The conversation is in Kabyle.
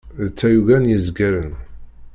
D tayuga n yezgaren.